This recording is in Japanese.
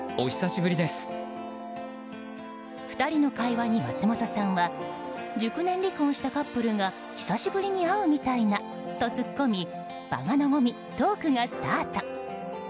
２人の会話に松本さんは熟年離婚したカップルが久しぶりに会うみたいなとツッコみ場が和み、トークがスタート。